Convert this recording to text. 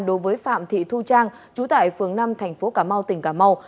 đối với phạm thị thu trang chú tại phường năm tp cà mau tỉnh cà mau